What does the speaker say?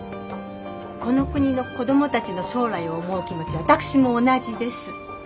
この国の子どもたちの将来を思う気持ちは私も同じです。